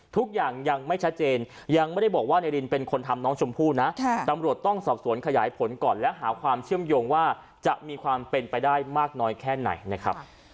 ทุกอย่างยังไม่ชัดเจนยังไม่ได้บอกว่านายรินเป็นคนทำน้องชมพู่นะตำรวจต้องสอบสวนขยายผลก่อนและหาความเชื่อมโยงว่าจะมีความเป็นไปได้มากน้อยแค่ไหนนะครับ